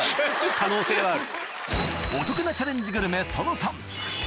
可能性はある。